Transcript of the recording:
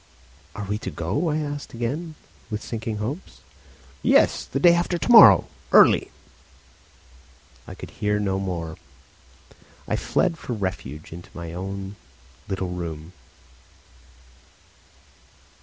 "Are we to go?" I asked again, with sinking hopes. "Yes; the day after to morrow, early." I could hear no more. I fled for refuge into my own little room.